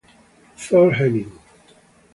Thor Henning